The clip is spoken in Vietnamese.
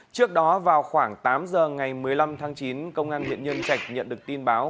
trước đó vào khoảng tám giờ ngày một mươi năm tháng chín công an huyện nhân trạch nhận được tin báo